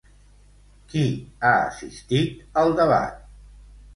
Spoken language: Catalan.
Qui ha assistit al debat?